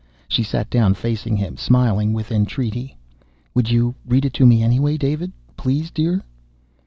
She sat down facing him, smiling with entreaty. "Would you read it to me anyway, David? Please, dear?"